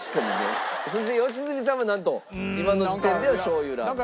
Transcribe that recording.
そして良純さんもなんと今の時点ではしょう油ラーメンです。